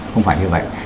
không phải như vậy